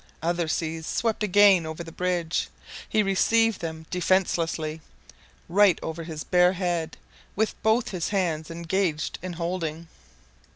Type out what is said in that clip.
Other seas swept again over the bridge. He received them defencelessly right over his bare head, with both his hands engaged in holding.